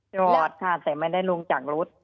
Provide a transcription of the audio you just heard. จอดค่ะแต่ไม่ได้ลงจากรถ